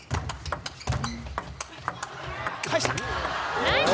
返した。